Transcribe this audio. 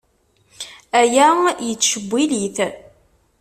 Aya yettcewwil-it.